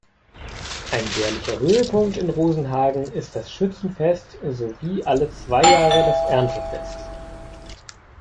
Ein jährlicher Höhepunkt in Rosenhagen ist das Schützenfest sowie alle zwei Jahre das Erntefest.